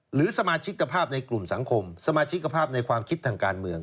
หรือสมาชิกภาพในกลุ่มสังคมสมาชิกภาพในความคิดทางการเมือง